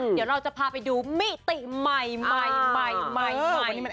เดี๋ยวเราจะพาไปดูมิติใหม่